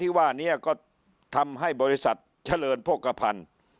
ที่ว่านี้ก็ทำให้บริษัทเฉลินพวกกระพันธุ์